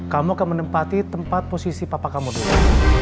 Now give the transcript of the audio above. kamu akan menempati tempat posisi papa kamu tutup